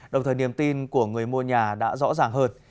đồng thời niềm tin của người mua nhà đã rõ ràng hơn